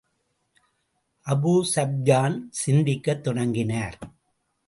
Abu Sufyan சிந்திக்கத் தொடங்கினார்.